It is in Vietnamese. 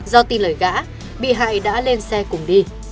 do tin lời gã bị hại đã lên xe cùng đi